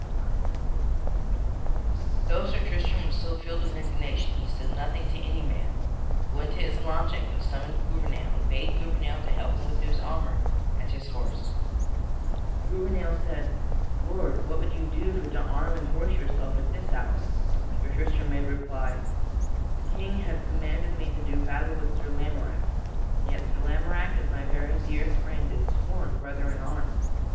[Sidenote: Sir Tristram arms himself] But though Sir Tristram was so filled with indignation he said nothing to any man, but went to his lodging and summoned Gouvernail, and bade Gouvernail to help him to his armor and his horse. Gouvernail said: "Lord, what would you do for to arm and horse yourself at this hour?" Sir Tristram made reply: "The King hath commanded me to do battle with Sir Lamorack, and yet Sir Lamorack is my very dear friend and sworn brother in arms.